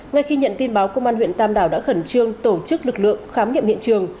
ngay khi nhận tin báo công an huyện tam đảo đã khẩn trương tổ chức lực lượng khám nghiệm hiện trường